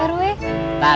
kak rw itu